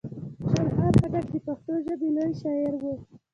خوشحال خان خټک د پښتو ژبي لوی شاعر وو.